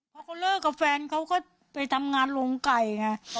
พอเขาเลิกกับแฟนเขาก็ไปทำงานโรงไก่ไง